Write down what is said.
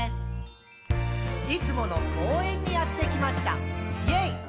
「いつもの公園にやってきました！イェイ！」